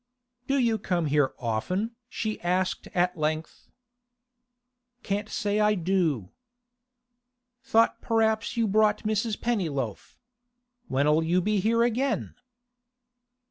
'Do you come here often?' she asked at length. 'Can't say I do.' 'Thought p'r'aps you brought Mrs. Pennyloaf. When'll you be here again?